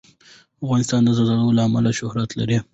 افغانستان د زردالو له امله شهرت لري.